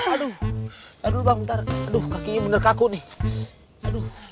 aduh aduh bang bentar aduh kakinya bener kaku nih aduh